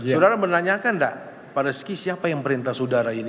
saudara menanyakan nggak pak reski siapa yang perintah saudara ini